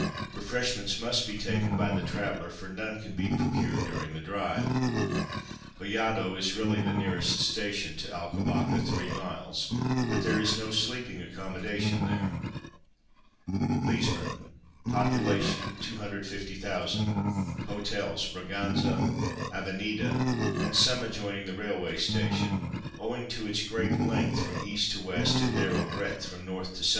Refreshments must be taken by the traveller, for none can be procured during the drive. Vallado is really the nearest station to Alcobaça (3m.), but there is no sleeping accommodation there. LISBON (pop. 250,000; hotels—Braganza, Avenida, and some adjoining the railway station) owing to its great length from E. to W., and narrow breadth from N. to S.